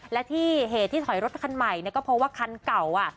และที่เหตุที่ถอยรถคันใหม่เนี่ยก็เพราะว่าคันเก่า